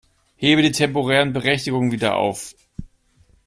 Hebe die temporären Berechtigungen wieder auf.